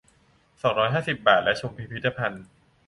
สองร้อยห้าสิบ บาท และชมพิพิธภัณฑ์